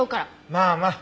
まあまあ。